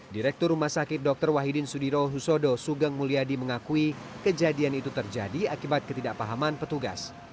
direktur rumah sakit dr wahidin sudirohusodo sugeng mulyadi mengakui kejadian itu terjadi akibat ketidakpahaman petugas